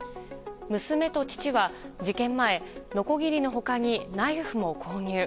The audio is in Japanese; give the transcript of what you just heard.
娘と父は事件前のこぎりの他にナイフも購入。